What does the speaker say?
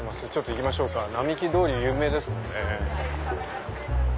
行きましょうか並木通り有名ですもんね。